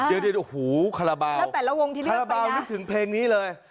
เดี๋ยวหูคาราบาวคาราบาวนึกถึงเพลงนี้เลย